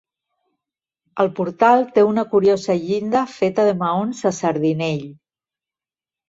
El portal té una curiosa llinda feta de maons a sardinell.